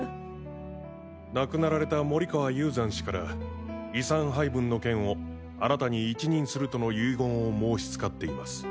亡くなられた森川雄山氏から遺産配分の件をあなたに一任するとの遺言を申しつかっています。